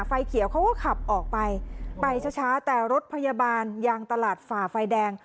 ไฟเขียวเขาก็ขับออกไปไปช้าช้าแต่รถพยาบาลยางตลาดฝ่าไฟแดง